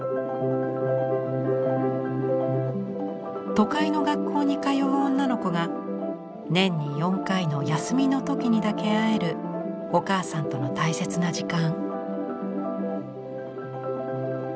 都会の学校に通う女の子が年に４回の休みの時にだけ会えるお母さんとの大切な時間。